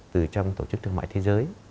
từ trong tổ chức thương mại thế giới